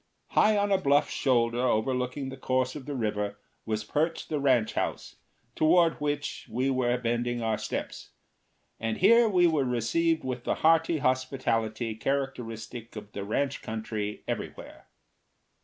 High on a bluff shoulder overlooking the course of the river was perched the ranch house, toward which we were bending our steps; and here we were received with the hearty hospitality characteristic of the ranch country everywhere.